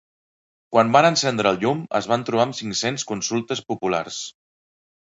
Quan van encendre el llum es van trobar amb cinc-cents consultes populars.